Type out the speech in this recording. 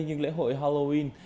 nhưng lễ hội halloween